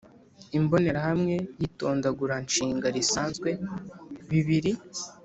imbonerahamwe y'itondaguranshinga risanzwe ( bibiri)